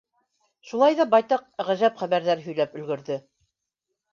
Шулай ҙа байтаҡ ғәжәп хәбәрҙәр һөйләп өлгөрҙө.